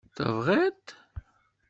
Tebɣiḍ-t?